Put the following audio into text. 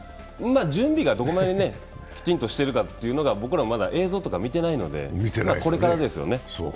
準備がどこまできちんとしているかというのが僕らもまだ映像とか見てないのでこれからですよね。